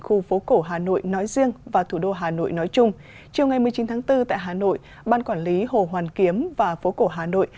khu phố cổ hà nội nói riêng và thủ đô hà nội nói chung chiều ngày một mươi chín tháng bốn tại hà nội ban quản lý hồ hoàn kiếm và phố cổ hà nội